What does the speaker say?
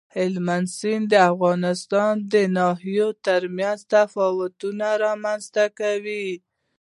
هلمند سیند د افغانستان د ناحیو ترمنځ تفاوتونه رامنځ ته کوي.